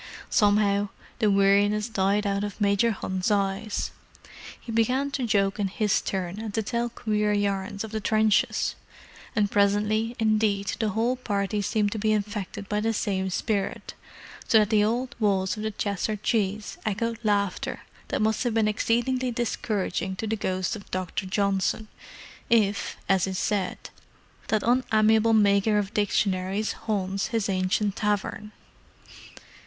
Somehow, the weariness died out of Major Hunt's eyes. He began to joke in his turn, and to tell queer yarns of the trenches: and presently, indeed, the whole party seemed to be infected by the same spirit, so that the old walls of the Cheshire Cheese echoed laughter that must have been exceedingly discouraging to the ghost of Dr. Johnson, if, as is said, that unamiable maker of dictionaries haunts his ancient tavern.